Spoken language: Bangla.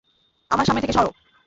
আমার সামনে থেকে সরো!